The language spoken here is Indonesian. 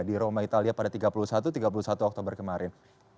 di roma italia pada tiga puluh satu tiga puluh satu oktober kemarin